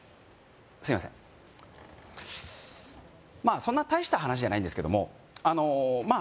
すいませんまあそんな大した話じゃないんですけどもあのまあ